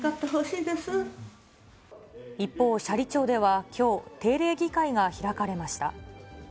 一方、斜里町ではきょう、定例議会が開かれました。